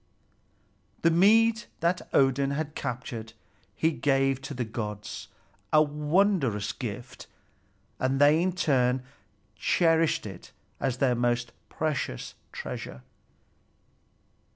The mead that Odin had captured he gave to the gods, a wondrous gift; and they in turn cherished it as their most precious treasure.